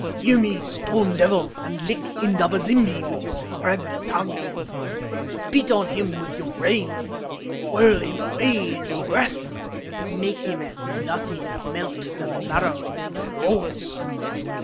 "Hear me, Storm Devil, and lick Indaba zimbi with your red tongue! "Spit on him with your rain! "Whirl him away in your breath! "Make him as nothing—melt the marrow in his bones!